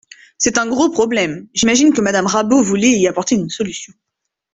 C’est un gros problème… J’imagine que Madame Rabault voulait y apporter une solution.